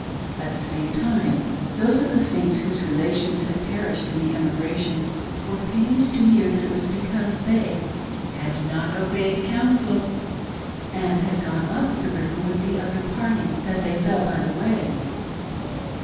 At the same time those of the Saints whose relations had perished in the emigration were pained to hear that it was because they "had not obeyed counsel," and gone up the river with the other party, that they fell by the way.